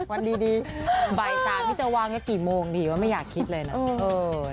วันดีบ่าย๓นี่จะวางแค่กี่โมงดีว่าไม่อยากคิดเลยนะ